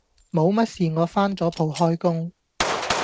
冇乜事我返咗鋪開工